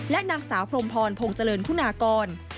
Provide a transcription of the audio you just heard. และนางสาวพรมพรพงษ์เจริญคุณากร